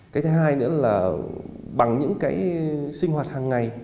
cái thứ hai nữa là bằng những cái sinh hoạt hàng ngày